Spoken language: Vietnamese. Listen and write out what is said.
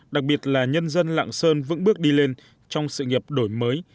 đặc biệt là nhân dân lạng sơn vững bước đi lên trong sự nghiệp đổi mới